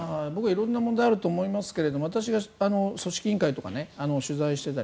色んな問題があると思いますが私が組織委員会に取材したり。